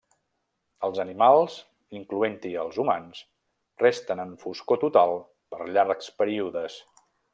Els animals, incloent-hi els humans, resten en foscor total per llargs períodes.